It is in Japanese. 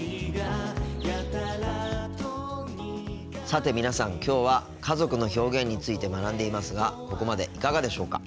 さて皆さんきょうは家族の表現について学んでいますがここまでいかがでしょうか。